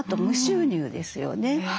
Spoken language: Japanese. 無収入ですよね。